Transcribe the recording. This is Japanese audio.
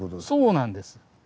そうなんです。